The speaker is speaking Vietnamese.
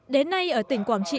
đến nay ở tỉnh quảng trị